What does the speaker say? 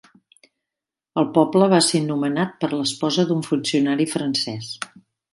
El poble va ser nomenat per l'esposa d'un funcionari francès.